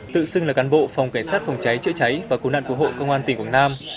tự xưng là cán bộ phòng cảnh sát phòng cháy chữa cháy và cứu nạn cứu hộ công an tỉnh quảng nam